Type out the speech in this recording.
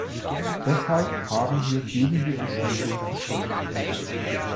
Deshalb haben wir gegen die Entschließung gestimmt!